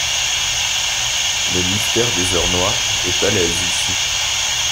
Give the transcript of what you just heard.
Le mystère des heures noires est à l’aise ici.